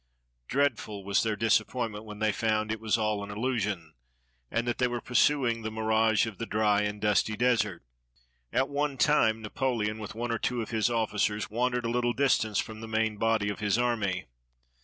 Dreadful was their disappointment when they found that it was all an illusion, and that they were pursuing the mirage of the dry and dusty desert. At one time Napoleon, with one or two of his ofl&cers, wandered a Httle distance from the main body of his army.